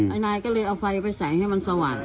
นายก็เลยเอาไฟไปแสงให้มันสว่าง